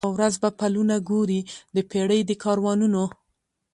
یوه ورځ به پلونه ګوري د پېړۍ د کاروانونو